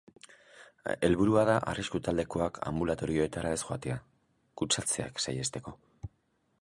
Helburua da arrisku taldekoak anbulatorioetara ez joatea, kutsatzeak saihesteko.